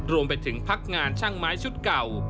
รวมไปถึงพักงานช่างไม้ชุดเก่า